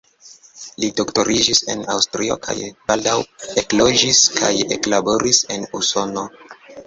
Li doktoriĝis en Aŭstrio kaj baldaŭ ekloĝis kaj eklaboris en Usono.